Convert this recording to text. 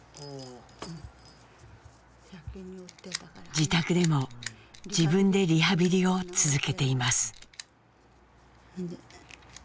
自宅でも自分でリハビリを続けています。